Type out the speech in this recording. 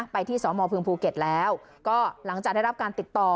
ที่สมพึงภูเก็ตแล้วก็หลังจากได้รับการติดต่อ